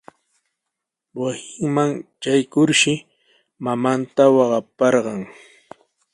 Wasinman traykurshi mamanta waqaparqan.